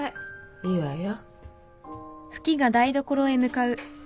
いいわよ。